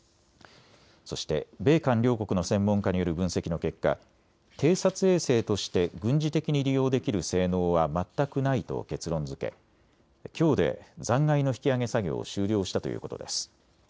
そして米韓両国の専門家による分析の結果、偵察衛星として軍事的に利用できる性能は全くないと結論づけ、きょうで残骸の引き上げ作業を終了したということです。